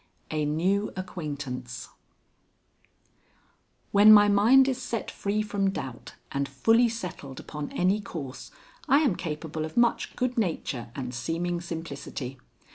IX A NEW ACQUAINTANCE When my mind is set free from doubt and fully settled upon any course, I am capable of much good nature and seeming simplicity.